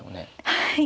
はい。